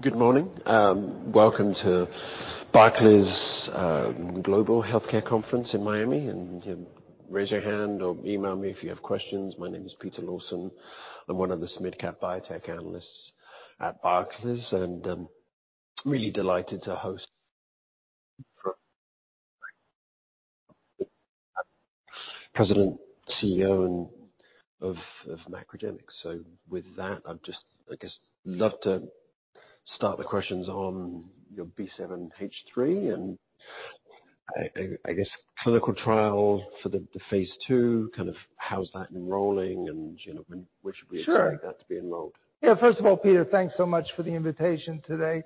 Good morning. Welcome to Barclays Global Health Care Conference in Miami. You raise your hand or email me if you have questions. My name is Peter Lawson. I'm one of the mid-cap biotech analysts at Barclays. Really delighted to host President, CEO of MacroGenics. With that, I'd just, I guess, love to start the questions on your B7-H3 and I guess clinical trial for phase 2, kind of how's that enrolling and, you know, when should we- Sure. expect that to be enrolled? Yeah. First of all, Peter, thanks so much for the invitation today.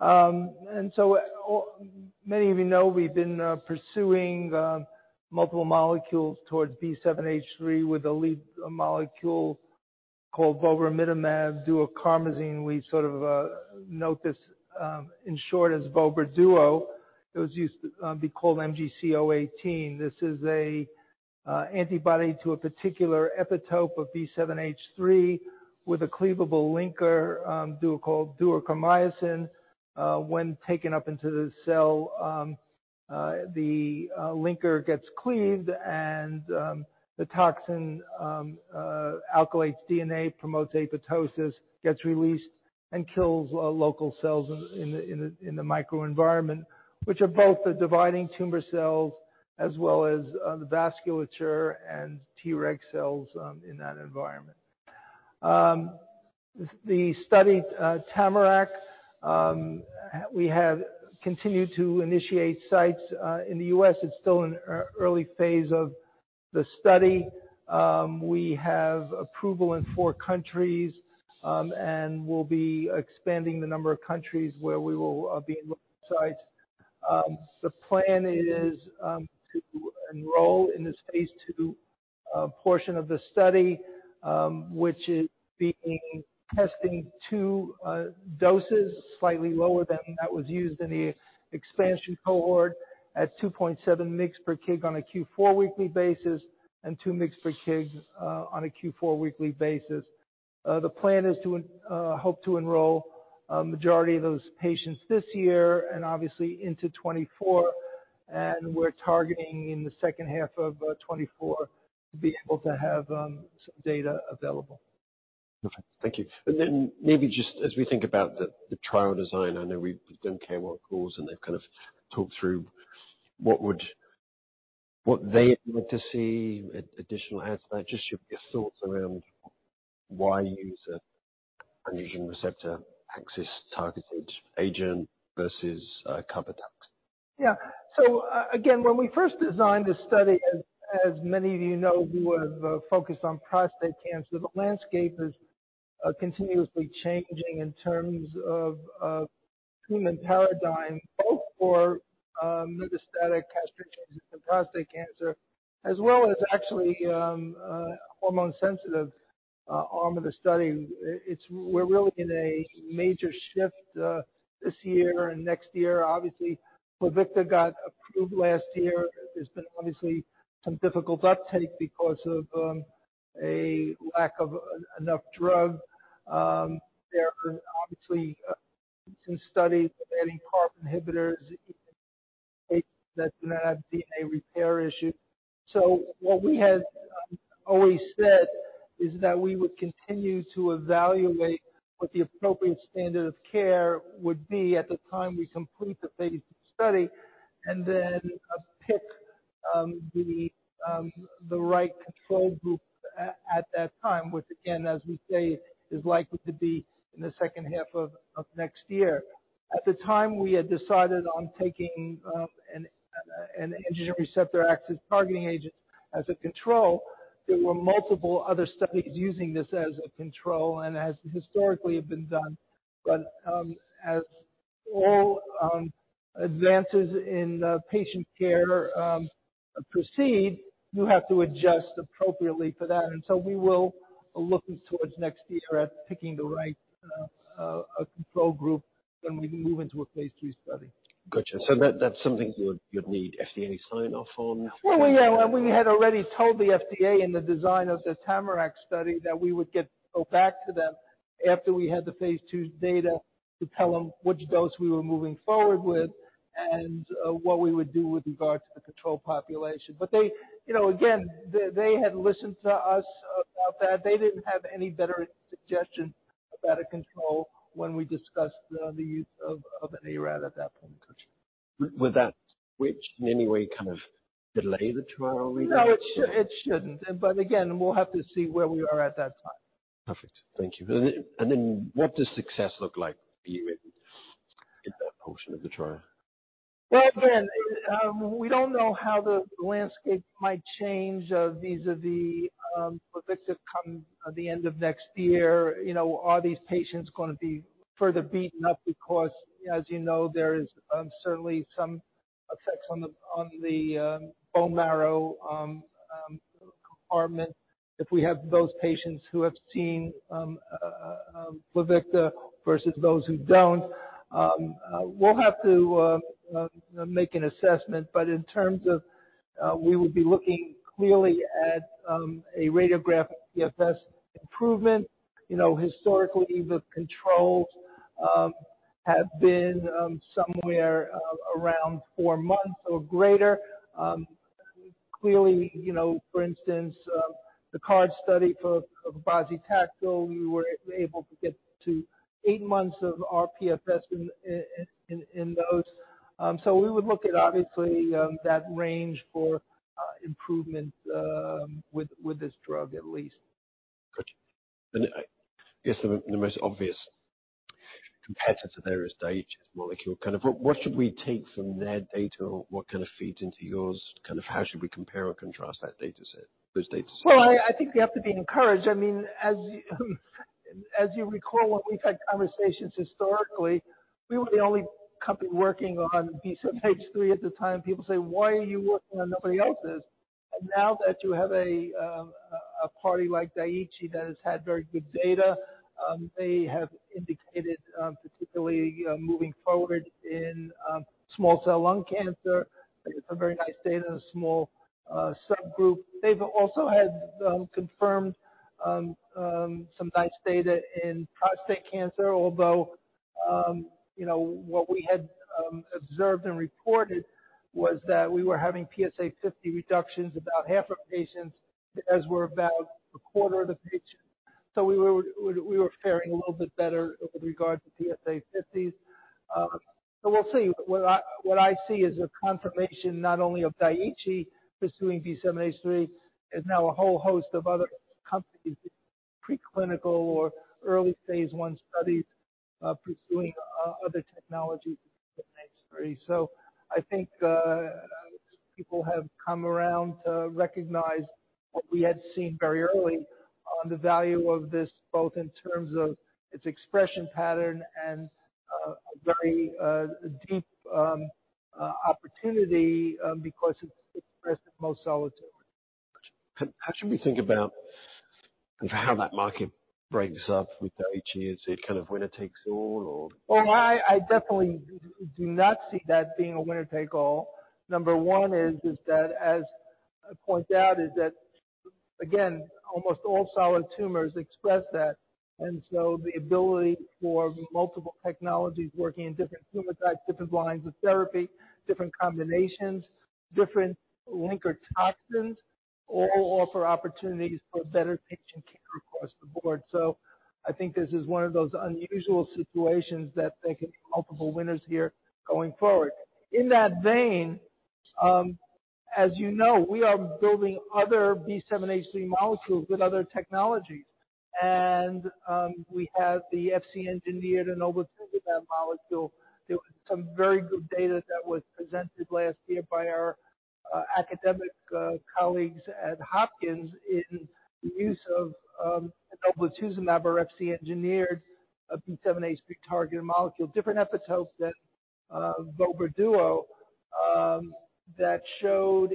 Many of you know we've been pursuing multiple molecules towards B7-H3 with a lead molecule called Vobramitamab Duocarmazine. We sort of note this in short as vobra duo. It was used be called MGC018. This is a antibody to a particular epitope of B7-H3 with a cleavable linker, duo called Duocarmycin. When taken up into the cell, the linker gets cleaved and the toxin alkylates DNA, promotes apoptosis, gets released, and kills local cells in the microenvironment, which are both the dividing tumor cells as well as the vasculature and Treg cells in that environment. The study TAMARACK, we have continued to initiate sites in the U.S. It's still in early phase of the study. We have approval in four countries, and we'll be expanding the number of countries where we will be enrolling sites. The plan is to enroll in this phase 2 portion of the study, which is being testing two doses slightly lower than that was used in the expansion cohort at 2.7 mgs per kg on a Q4 weekly basis and two mgs per kg on a Q4 weekly basis. The plan is to hope to enroll a majority of those patients this year and obviously into 2024, and we're targeting in the second half of 2024 to be able to have some data available. Perfect. Thank you. Then maybe just as we think about the trial design, I know we've done K-one calls and they've kind of talked through what they would like to see additional ads. Just your thoughts around why use a androgen receptor axis targeted agent versus a CAR T cell? Yeah. Again, when we first designed this study, as many of you know, we were focused on prostate cancer. The landscape is continuously changing in terms of treatment paradigm both for metastatic castration and prostate cancer as well as actually hormone-sensitive arm of the study. It's we're really in a major shift this year and next year. Obviously, Pluvicto got approved last year. There's been obviously some difficult uptake because of a lack of enough drug. There are obviously some studies with PARP inhibitors that do not have DNA repair issue. What we have always said is that we would continue to evaluate what the appropriate standard of care would be at the time we complete the phase 2 study and then pick the right control group at that time, which again, as we say, is likely to be in the second half of next year. At the time, we had decided on taking an androgen receptor axis targeting agent as a control. There were multiple other studies using this as a control and as historically have been done. As all advances in patient care proceed, you have to adjust appropriately for that. We will be looking towards next year at picking the right control group when we move into a phase 3 study. Gotcha. That's something you'd need FDA sign-off on? Well, yeah. We had already told the FDA in the design of this TAMARACK study that we would go back to them after we had the phase 2 data to tell them which dose we were moving forward with and what we would do with regard to the control population. They, you know, again, they had listened to us about that. They didn't have any better suggestion about a control when we discussed the use of ARAD at that point. Gotcha. Would that switch in any way kind of delay the trial readout? No, it shouldn't. Again, we'll have to see where we are at that time. Perfect. Thank you. Then what does success look like for you in that portion of the trial? Well, again, we don't know how the landscape might change, vis-a-vis, Pluvicto come the end of next year. You know, are these patients gonna be further beaten up because, as you know, there is certainly some effects on the, on the bone marrow compartment? If we have those patients who have seen Pluvicto versus those who don't, we'll have to make an assessment. We would be looking clearly at a radiograph PFS improvement. You know, historically, the controls have been somewhere around 4 months or greater. Clearly, you know, for instance, the CARD study for cabazitaxel, we were able to get to eight months of our PFS in those. We would look at obviously, that range for improvement, with this drug at least. Gotcha. I guess the most obvious competitor there is Daiichi molecule. Kind of what should we take from their data? What kind of feeds into yours? Kind of how should we compare or contrast that dataset, those datasets? Well, I think we have to be encouraged. I mean, as you recall when we've had conversations historically, we were the only company working on B7-H3 at the time. People say, "Why are you working on it? Nobody else is." Now that you have a party like Daiichi that has had very good data, they have indicated, particularly, moving forward in small cell lung cancer. They got some very nice data in a small subgroup. They've also had confirmed some nice data in prostate cancer. Although, you know, what we had observed and reported was that we were having PSA 50 reductions about half of patients, as were about a quarter of the patients. We were fairing a little bit better with regard to PSA 50s. We'll see. What I see is a confirmation not only of Daiichi pursuing B7-H3, and now a whole host of other companies in preclinical or early phase 1 studies, pursuing other technologies with H3. I think people have come around to recognize what we had seen very early on the value of this, both in terms of its expression pattern and a very deep opportunity, because it's expressed in most solid tumors. Gotcha. How should we think about kind of how that market breaks up with Daiichi? Is it kind of winner takes all or? Well, I definitely do not see that being a winner take all. Number one is that as I point out, again, almost all solid tumors express that. The ability for multiple technologies working in different tumor types, different lines of therapy, different combinations, different linker toxins, all offer opportunities for better patient care across the board. I think this is one of those unusual situations that there could be multiple winners here going forward. In that vein, as you know, we are building other B7-H3 molecules with other technologies. We have the Fc-engineered and Inotuzumab molecule. There was some very good data that was presented last year by our academic colleagues at Johns Hopkins in the use of Inotuzumab or Fc-engineered B7-H3 targeted molecule. Different epitopes than vobra duo, that showed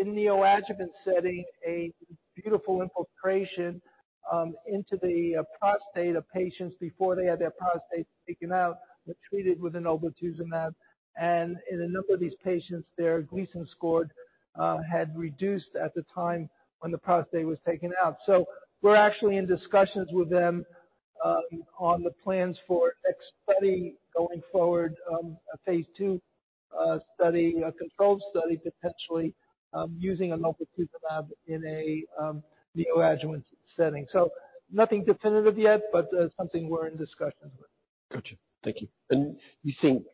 in neoadjuvant setting a beautiful infiltration, into the prostate of patients before they had their prostate taken out, but treated with Inotuzumab. In a number of these patients, their Gleason score had reduced at the time when the prostate was taken out. We're actually in discussions with them, on the plans for a study going forward, a phase 2 study, a controlled study, potentially, using Inotuzumab in a neoadjuvant setting. Nothing definitive yet, but something we're in discussions with. Gotcha. Thank you. You think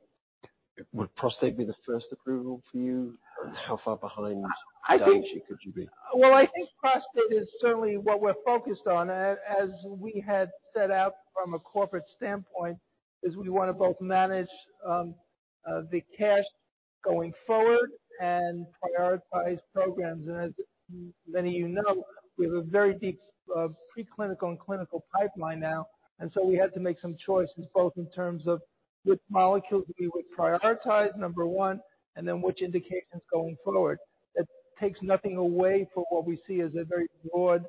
would prostate be the first approval for you? How far behind Daiichi could you be? Well, I think prostate is certainly what we're focused on. As we had set out from a corporate standpoint, is we wanna both manage the cash going forward and prioritize programs. As many of you know, we have a very deep preclinical and clinical pipeline now. So we had to make some choices, both in terms of which molecules we would prioritize, number one, and then which indications going forward. It takes nothing away from what we see as a very broad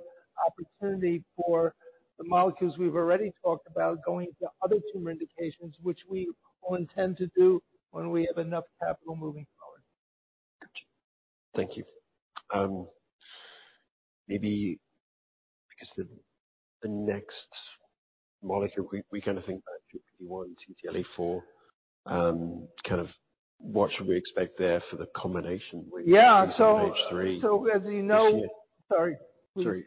opportunity for the molecules we've already talked about going to other tumor indications, which we will intend to do when we have enough capital moving forward. Gotcha. Thank you. Maybe because the next molecule, we kinda think about PD-1 and CTLA-4, kind of what should we expect there for the combination. Yeah. -B7-H3 this year? As you know. Sorry. Sorry.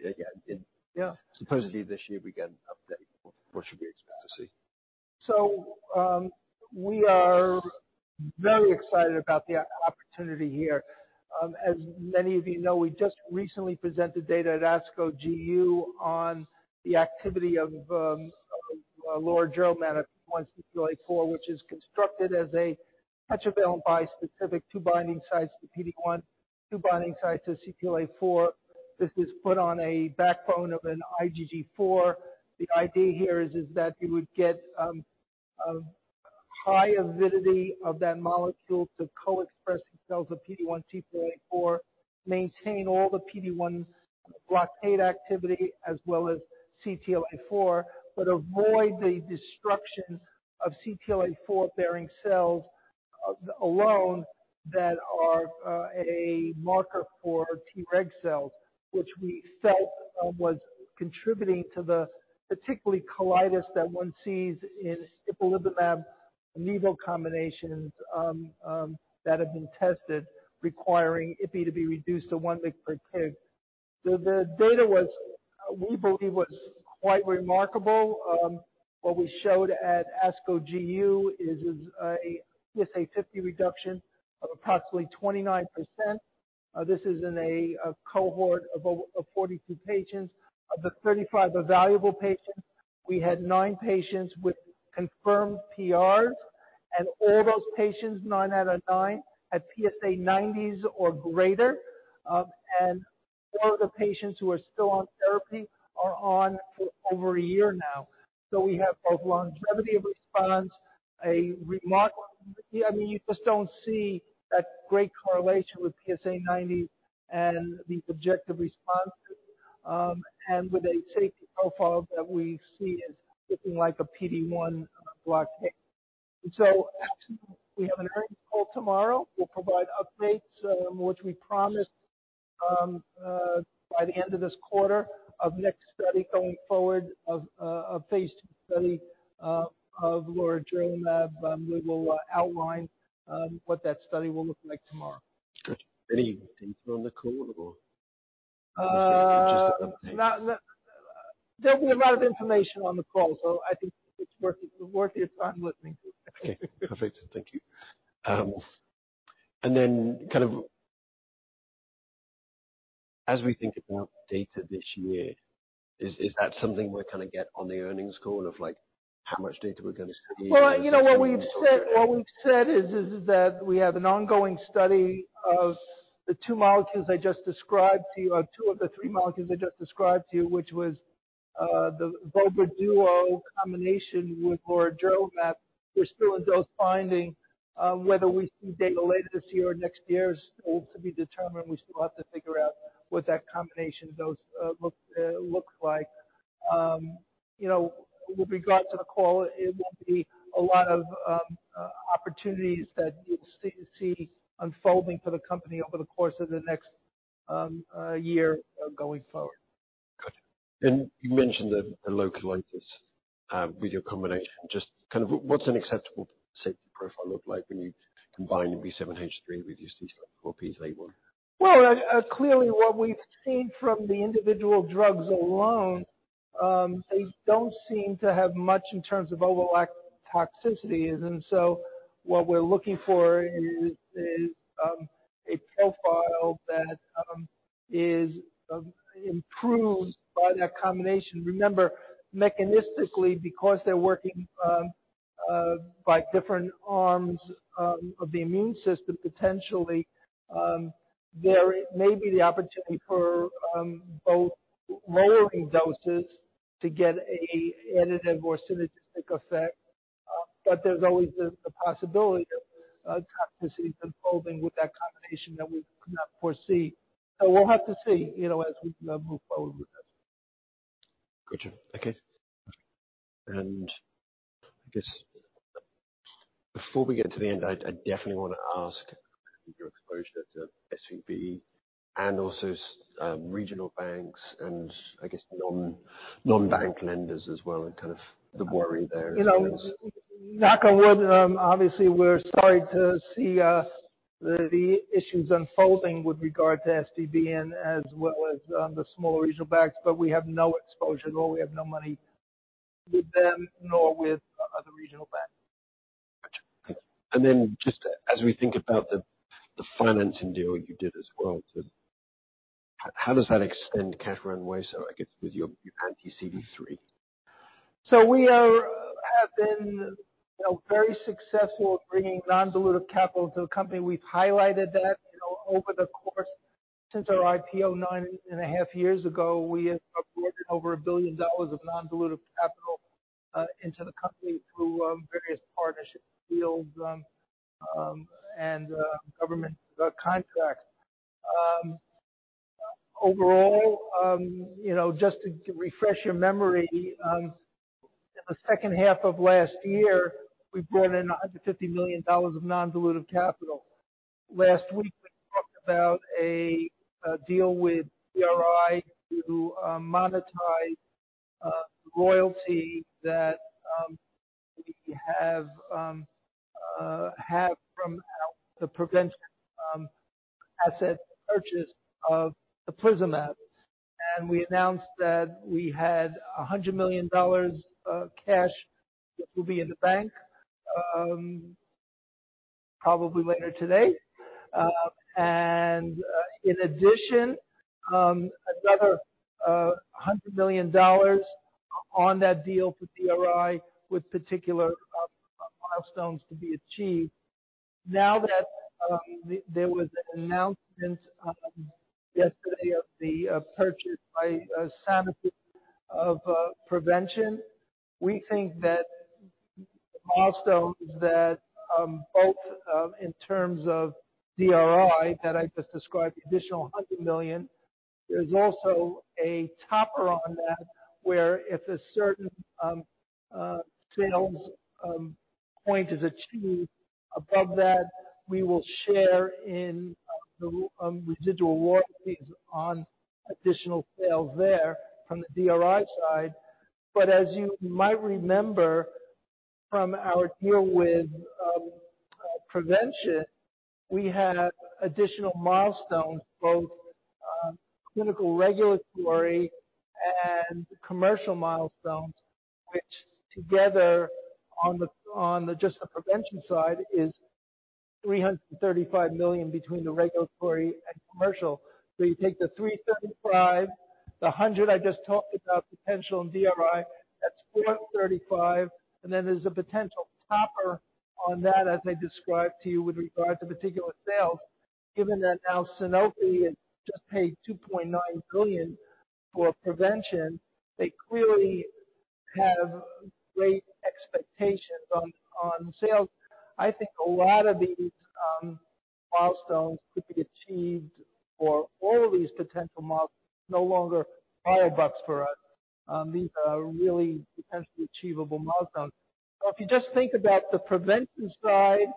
Yeah. Yeah. Supposedly this year we get an update. What should we expect to see? We are very excited about the opportunity here. As many of you know, we just recently presented data at ASCO GU on the activity of Lorigerlimab, which is constructed as a Tetravalent Bispecific two binding sites to PD-1, two binding sites to CTLA-4. This is put on a backbone of an IgG4. The idea here is that you would get a high avidity of that molecule to co-express cells of PD-1, CTLA-4, maintain all the PD-1 blockade activity as well as CTLA-4, but avoid the destruction of CTLA-4-bearing cells alone that are a marker for Treg cells, which we felt was contributing to the particularly colitis that one sees in ipilimumab combinations that have been tested requiring Ipi to be reduced to one mg per kg. The data was, we believe, was quite remarkable. What we showed at ASCO GU is a PSA 50 reduction of approximately 29%. This is in a cohort of 42 patients. Of the 35 evaluable patients, we had nine patients with confirmed PRs. All those patients, nine out of nine, had PSA 90s or greater. Four of the patients who are still on therapy are on for over a year now. We have both longevity of response. Yeah, I mean, you just don't see that great correlation with PSA 90 and the objective responses, and with a safety profile that we see as looking like a PD-1 blockade. Actually we have an earnings call tomorrow. We'll provide updates, which we promised, by the end of this quarter of next study going forward of, a phase 2 study, of Lorigerlimab. We will outline, what that study will look like tomorrow. Good. Any details on the call or... Uh. Just an update. There'll be a lot of information on the call, so I think it's worth your time listening to. Okay. Perfect. Thank you. Then kind of as we think about data this year, is that something we'll kind of get on the earnings call of like how much data we're gonna see? You know what we've said is that we have an ongoing study of the two molecules I just described to you, or two of the three molecules I just described to you, which was the vobra duo combination with Lorigerlimab. We're still in dose finding. Whether we see data later this year or next year is still to be determined. We still have to figure out what that combination dose looks like. You know, with regard to the call, it won't be a lot of opportunities that you'll see unfolding for the company over the course of the next year going forward. Gotcha. You mentioned the low colitis with your combination. Just kind of what's an acceptable safety profile look like when you combine B7-H3 with your [C4-PS81]? Well, clearly what we've seen from the individual drugs alone, they don't seem to have much in terms of overall toxicity. What we're looking for is a profile that is improved by that combination. Remember, mechanistically, because they're working by different arms of the immune system, potentially, there is maybe the opportunity for both lowering doses to get a additive or synergistic effect. There's always the possibility of toxicities unfolding with that combination that we could not foresee. We'll have to see, you know, as we move forward with this. Gotcha. Okay. I guess before we get to the end, I definitely wanna ask your exposure to SVB and also regional banks and I guess non-bank lenders as well, and kind of the worry there. You know, knock on wood, obviously we're sorry to see, the issues unfolding with regard to SVB and as well as, the smaller regional banks. We have no exposure at all. We have no money with them, nor with other regional banks. Gotcha. Okay. Just as we think about the financing deal you did as well, how does that extend cash runway, I guess with your anti-CD3? We are, have been very successful at bringing non-dilutive capital to the company. We've highlighted that over the course, since our IPO 9.5 years ago. We have brought over $1 billion of non-dilutive capital into the company through various partnership deals and government contracts. Overall, just to refresh your memory, in the second half of last year, we brought in $150 million of non-dilutive capital. Last week we talked about a deal with CRI to monetize royalty that we have from the prevention asset purchase of the [Prism Labs]. We announced that we had $100 million cash that will be in the bank probably later today. In addition, another $100 million on that deal with CRI with particular milestones to be achieved. Now that the, there was an announcement yesterday of the purchase by Sanofi of Prevention, Milestones that both in terms of DRI that I just described, additional $100 million. There's also a topper on that where if a certain sales point is achieved above that, we will share in the residual royalties on additional sales there from the DRI side. As you might remember from our deal with Prevention, we had additional milestones, both clinical regulatory and commercial milestones, which together on the, on the just the Prevention side, is $335 million between the regulatory and commercial. You take the $335 million, the $100 million I just talked about potential in DRI, that's $435 million. Then there's a potential topper on that as I described to you with regard to particular sales. Given that now Sanofi has just paid $2.9 billion for Prevention, they clearly have great expectations on sales. I think a lot of these milestones could be achieved for all these potential markets, no longer fire bucks for us. These are really potentially achievable milestones. If you just think about the Prevention side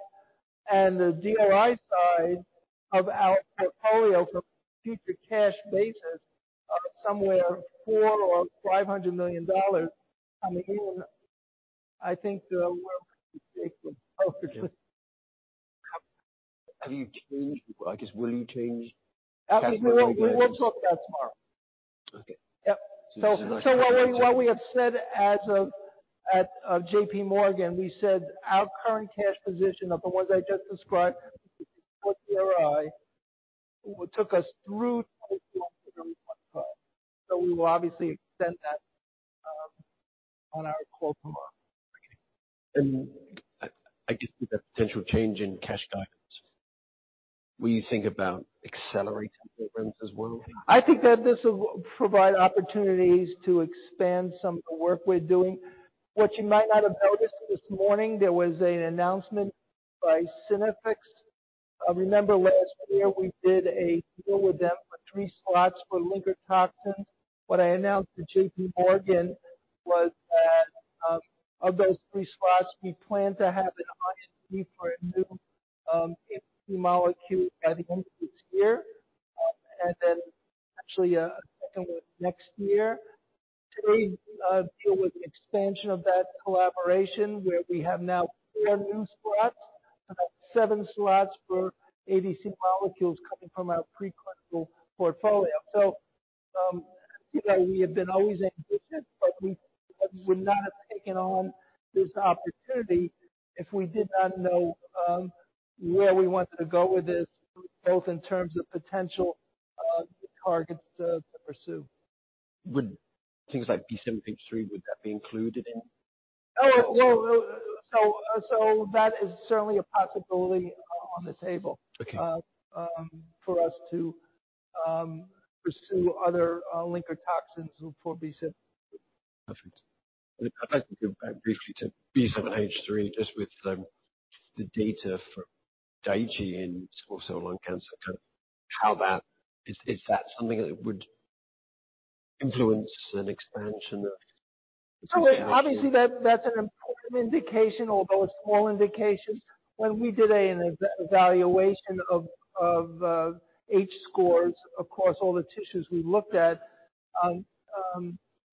and the DRI side of our portfolio from a future cash basis of somewhere $400 million or $500 million coming in, I think the world could take it. Have you changed, I guess will you change cash flow guidance? We will talk that tomorrow. Okay. Yep. What we have said as of at JP Morgan, we said our current cash position of the ones I just described with the full DRI, took us through. We will obviously extend that on our call tomorrow. Okay. I guess with the potential change in cash guidance, will you think about accelerating payments as well? I think that this will provide opportunities to expand some of the work we're doing. What you might not have noticed this morning, there was an announcement by Synaffix. Remember last year we did a deal with them for three slots for linker toxins. What I announced to JP Morgan was that, of those three slots we plan to have an option B for a new ADCs molecule at the end of this year, and then actually, 2nd one next year. Today's deal with the expansion of that collaboration where we have now 4 new slots. That's seven slots for ADC molecules coming from our preclinical portfolio. You know, we have been always ambitious, but we would not have taken on this opportunity if we did not know, where we wanted to go with this, both in terms of potential, targets to pursue. Would things like B7-H3, would that be included in? Oh, well, that is certainly a possibility on the table. Okay... for us to pursue other linker toxins for B7. Perfect. If I can go back briefly to B7-H3, just with the data for Daiichi in small cell lung cancer, Is that something that would influence an expansion of? Obviously that's an important indication, although a small indication. When we did an evaluation of H-scores across all the tissues we looked at,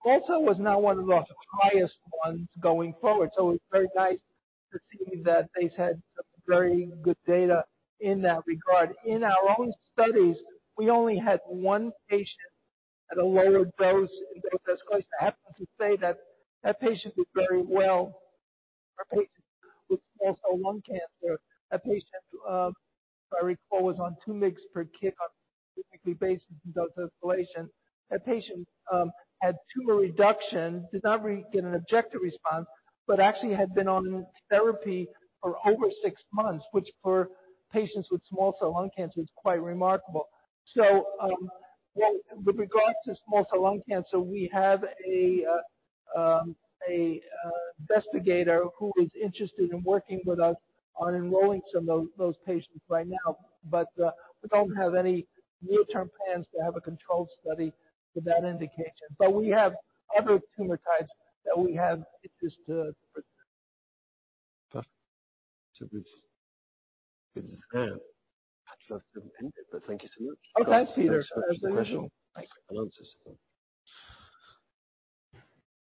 SCLC was not one of the highest ones going forward. It's very nice to see that they've had some very good data in that regard. In our own studies, we only had one patient at a lower dose in dose escalation. I happen to say that that patient did very well. Our patient with small cell lung cancer. That patient, if I recall, was on two mgs per kg on a weekly basis in dose escalation. That patient had tumor reduction, did not get an objective response, but actually had been on therapy for over six months, which for patients with small cell lung cancer is quite remarkable. With regards to small cell lung cancer, we have a investigator who is interested in working with us on enrolling some of those patients right now. We don't have any near-term plans to have a controlled study for that indication. We have other tumor types that we have interests to present. Perfect. We've good to end. I'd love to end it, thank you so much. Okay, Peter. Absolutely. Thanks for the question and answers.